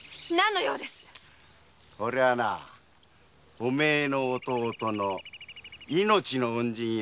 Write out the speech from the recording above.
おれはなお前の弟の命の恩人よ。